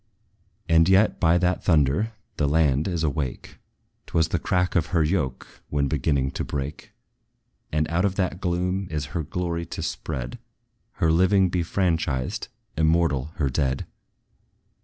And yet, by that thunder, the land is awake: 'T was the crack of her yoke when beginning to break! And out of that gloom is her glory to spread; Her living be franchised, immortal her dead.